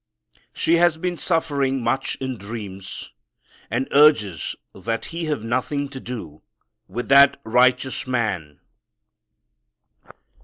She has been suffering much in dreams and urges that he have nothing to do with "that righteous man."